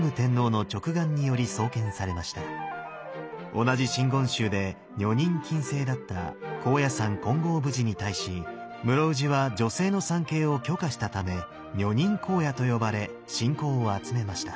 同じ真言宗で女人禁制だった高野山金剛峰寺に対し室生寺は女性の参詣を許可したため女人高野と呼ばれ信仰を集めました。